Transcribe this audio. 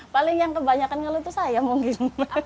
paling yang kebanyakan ngeluh itu saya mungkin